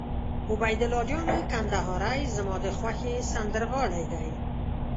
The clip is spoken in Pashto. عبیدالله جان کندهاری زما د خوښې سندرغاړی دي.